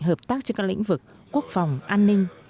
hợp tác trên các lĩnh vực quốc phòng an ninh